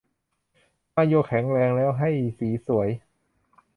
มาโยแข็งแรงแล้วให้สีสวย